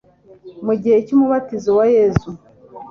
Mu gihe cy'umubatizo wa Yesu,